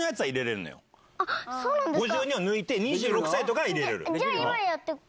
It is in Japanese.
５２を抜いて２６歳とかは入れれる。